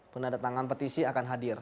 penandatangan petisi akan hadir